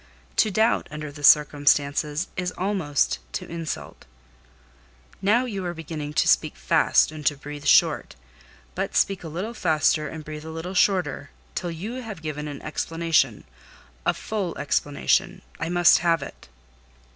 To doubt, under the circumstances, is almost to insult." "Now you are beginning to speak fast and to breathe short; but speak a little faster and breathe a little shorter, till you have given an explanation—a full explanation: I must have it."